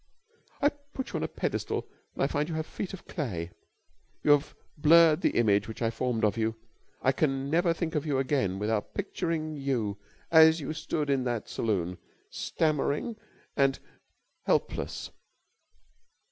"I put you on a pedestal and I find you have feet of clay. You have blurred the image which I formed of you. I can never think of you again without picturing you as you stood in that saloon, stammering and helpless...."